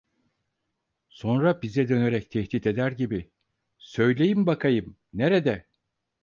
Sonra bize dönerek tehdit eder gibi: "Söyleyin bakayım, nerede?".